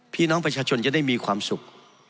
พี่น้องประชาชนจะได้มีความสุข